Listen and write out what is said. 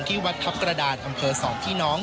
วัดทัพกระดานอำเภอ๒พี่น้อง